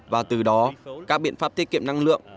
và từ đó các biện pháp tiết kiệm năng lượng